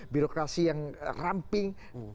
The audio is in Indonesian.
birokrasi yang ramping